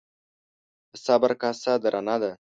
ـ د صبر کاسه درنه ده.